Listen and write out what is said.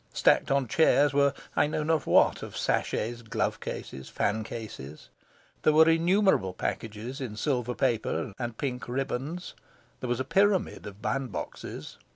Stacked on chairs were I know not what of sachets, glove cases, fan cases. There were innumerable packages in silver paper and pink ribands. There was a pyramid of bandboxes.